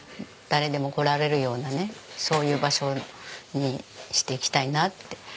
誰でも来られるようなねそういう場所にしていきたいなって。